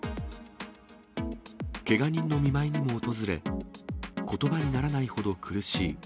けが人の見舞いにも訪れ、ことばにならないほど苦しい。